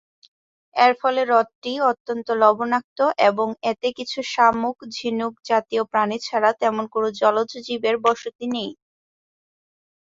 এর ফলে হ্রদটি অত্যন্ত লবণাক্ত এবং এতে কিছু শামুক-ঝিনুক জাতীয় প্রাণী ছাড়া তেমন কোন জলজ জীবের বসতি নেই।